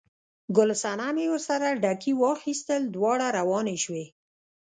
ګل صنمې ورسره ډکي واخیستل، دواړه روانې شوې.